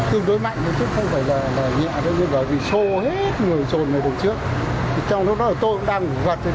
tương đối mạnh chứ không phải là nhẹ nhưng là vì sô hết người rồn này đằng trước trong lúc đó tôi cũng đang vật tôi cũng không thể thích đến